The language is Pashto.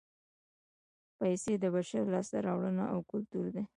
پیسې د بشر لاسته راوړنه او کولتور دی